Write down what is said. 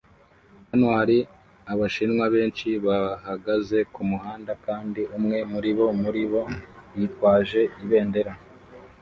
Hano hari abashinwa benshi bahagaze kumuhanda kandi umwe muribo muri bo yitwaje ibendera